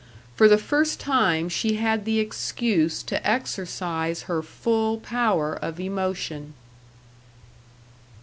For the first time she had the excuse to exercise her full power of emotion.